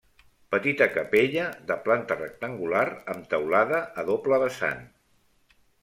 Petita capella de planta rectangular amb teulada a doble vessant.